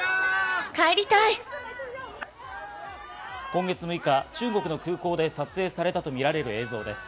今月６日、中国の空港で撮影されたとみられる映像です。